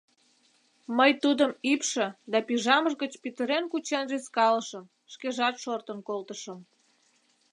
Мый тудым ӱпшӧ да пижамыж гыч пӱтырен кучен рӱзкалышым, шкежат шортын колтышым.